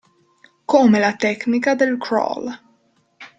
Come la tecnica del crawl.